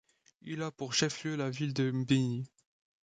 Il a pour chef-lieu la ville de Mbini.